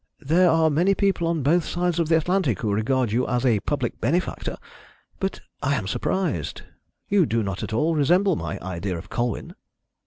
There are many people on both sides of the Atlantic who regard you as a public benefactor. But I am surprised. You do not at all resemble my idea of Colwyn."